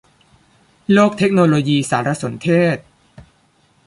โลกเทคโนโลยีสารสนเทศ